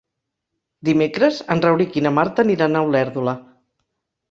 Dimecres en Rauric i na Marta aniran a Olèrdola.